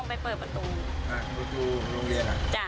มันเป็นแบบที่สุดท้าย